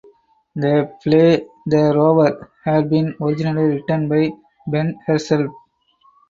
The play "The Rover" had been originally written by Behn herself.